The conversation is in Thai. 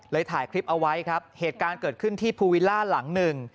ถ่ายคลิปเอาไว้ครับเหตุการณ์เกิดขึ้นที่ภูวิลล่าหลังหนึ่ง